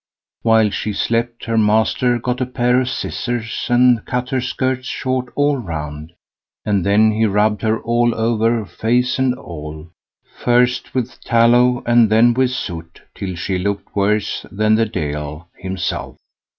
While she slept, her master got a pair of scissors and cut her skirts short all round, and then he rubbed her all over, face and all, first with tallow and then with soot, till she looked worse than the Deil himself.